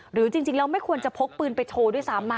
หรือจริงแล้วไม่ควรจะพกปืนไปโชว์ด้วยซ้ำ